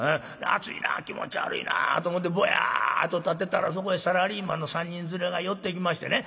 「暑いな気持ち悪いな」と思ってぼやっと立ってたらそこへサラリーマンの３人連れが寄ってきましてね